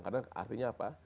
karena artinya apa